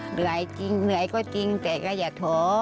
เหนื่อยจริงเหนื่อยก็จริงแต่ก็อย่าท้อ